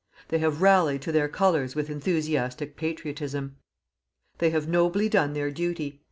They have rallied to their Colours with enthusiastic patriotism. They have nobly done their duty.